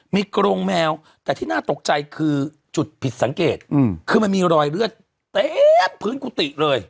มีกรงแมวแต่ที่น่าตกใจคือจุดผิดสังเกตคือมันมีรอยเลือดเต็มพื้นกุฏิเลย